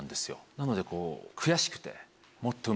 なのでこう悔しくて。